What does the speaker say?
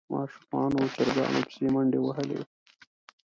ماشومانو چرګانو پسې منډې وهلې.